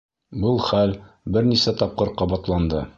Был хәл бер нисә тапҡыр ҡабатланды.